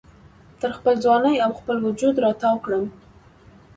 تر خپل ځوانۍ او خپل وجود را تاو کړم